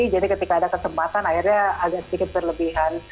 jadi ketika ada kesempatan akhirnya agak sedikit berlebihan